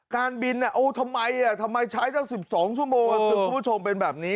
การบินทำไมใช้จาก๑๒ชั่วโมงคุณผู้ชมเป็นแบบนี้